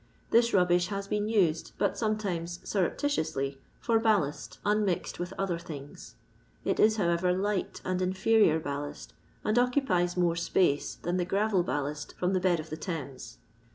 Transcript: This rubbish has been used, but sometimes surreptitiously, for ballast, unmixed with other things. It is, howerer, light and inferior ballast, and occupies more space than the gravel ballast from the bed of the Thames.